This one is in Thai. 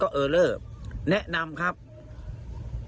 พี่ทีมข่าวของที่รักของ